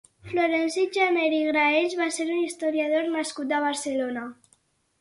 Florenci Janer i Graells va ser un historiador nascut a Barcelona.